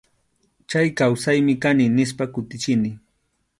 Chay kawsaymi kani, nispa kutichini.